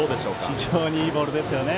非常にいいボールですよね。